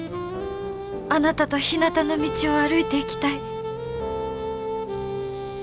あなたとひなたの道を歩いていきたい。